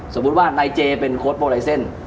สมมุติว่านายเจเป็นโค้ดโบไลเซ็นต์